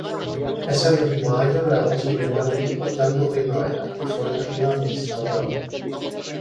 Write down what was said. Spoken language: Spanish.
Ese mismo año grabó su primer disco "Tango Primavera" y fue elegida Miss Sapporo.